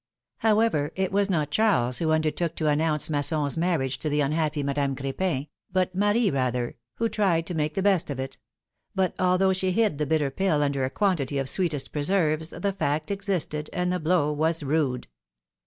OWEVER, it was not Charles who undertook to — L announce Masson^s marriage to the unhappy Madame Cr^pin, but Marie, rather, who tried to make the best of it ; but although she hid the bitter pill under a quantity of sweetest preserves, the fact existed, and the blow was rude.